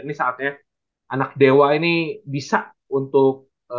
ini saatnya anak dewa ini bisa untuk